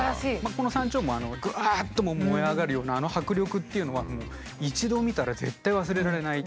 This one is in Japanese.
この「山鳥毛」ぐわっと燃え上がるようなあの迫力っていうのはもう一度見たら絶対忘れられない。